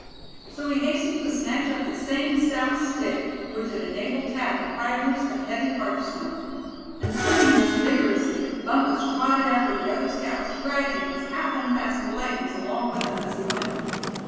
So he hastened to snatch up the same stout stick which had enabled Thad to pry loose the heavy hearthstone. And swinging this vigorously, Bumpus trotted after the other scouts, dragging his half unfastened leggings along with him as he went.